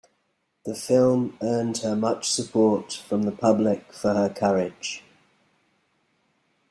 The film earned her much support from the public for her courage.